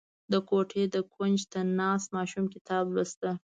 • د کوټې د کونج ته ناست ماشوم کتاب لوسته.